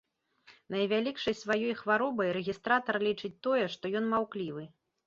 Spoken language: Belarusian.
Найвялікшай сваёй хваробай рэгістратар лічыць тое, што ён маўклівы.